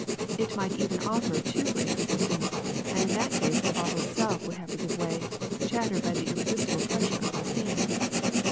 It might even offer too great resistance, and in that case the bottle itself would have to give way, shattered by the irresistible pressure of the steam.